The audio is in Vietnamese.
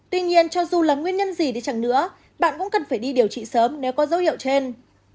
tuy nhiên cho dù là nguyên nhân gì đi chẳng nữa bạn cũng cần phải đi điều trị sớm nếu có dấu hiệu trên